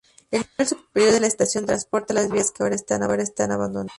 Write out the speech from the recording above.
El nivel superior de la estación transporta las vías que ahora están abandonadas.